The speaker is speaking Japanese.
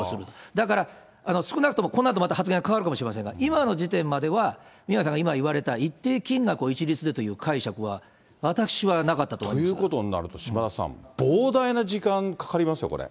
だから、少なくともこのあと発言変わるかもしれませんが、今の時点までは、宮根さんが今言われた、一定金額を一律でという解釈は、ということになると、島田さん、膨大な時間かかりますよ、これ。